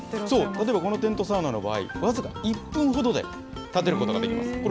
そう、例えばこのテントサウナの場合、僅か１分ほどで建てることができます。